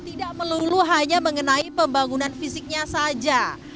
tidak meluruh hanya mengenai pembangunan fisiknya saja